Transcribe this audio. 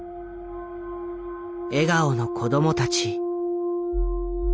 笑顔の子どもたち。